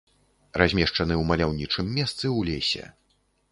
Размешчаны ў маляўнічым месцы ў лесе.